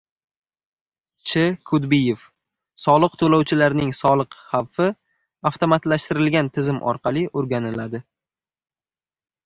Sh.Kudbiyev: “Coliq to‘lovchilarning soliq xavfi avtomatlashtirilgan tizim orqali o‘rganiladi”